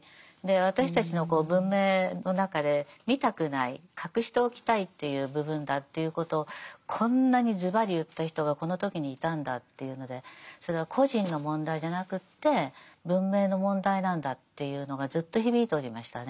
私たちの文明の中で見たくない隠しておきたいという部分だということをこんなにズバリ言った人がこの時にいたんだっていうのでそれは個人の問題じゃなくって文明の問題なんだっていうのがずっと響いておりましたね。